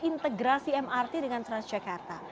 integrasi mrt dengan transjakarta